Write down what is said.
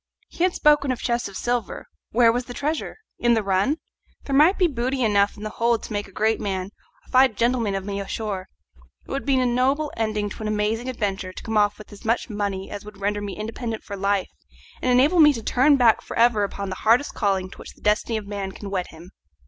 He had spoken of chests of silver where was the treasure? in the run? There might be booty enough in the hold to make a great man, a fine gentleman of me ashore. It would be a noble ending to an amazing adventure to come off with as much money as would render me independent for life, and enable me to turn my back for ever upon the hardest calling to which the destiny of man can wed him.